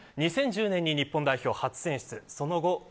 ２０１０年に日本代表初選出です。